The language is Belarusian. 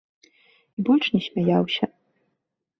І больш не смяяўся.